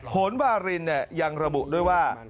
โหนวารินยังระบุด้วยว่า